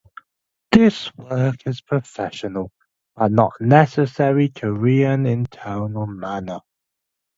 This work is professional, but not necessarily Korean in tone or manner.